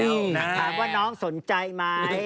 ถามว่าน้องสนใจมั้ย